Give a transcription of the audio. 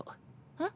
えっ？